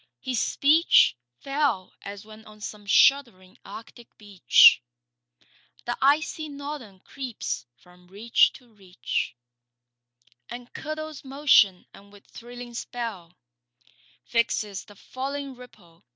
His speech Fell as when on some shuddering arctic beach The icy Northern creeps from reach to reach And curdles motion and with thrilling spell Fixes the falling ripple.